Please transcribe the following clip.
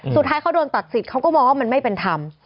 สุดท้ายเขาโดนตัดสิทธิ์เขาก็มองว่ามันไม่เป็นธรรม